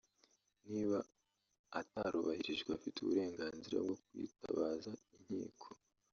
niba atarubahirijwe afite uburenganzira bwo kwitabaza inkiko